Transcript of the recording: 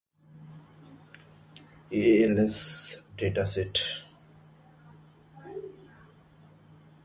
Supposedly signed in Hecksher's blood, the contract with Bomp!